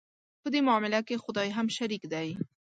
په دې معامله کې خدای هم شریک دی.